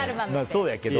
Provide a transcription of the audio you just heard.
そうやけど。